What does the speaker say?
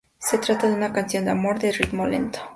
Se trata de una canción de amor, de ritmo lento.